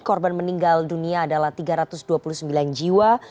korban meninggal dunia adalah tiga ratus dua puluh sembilan jiwa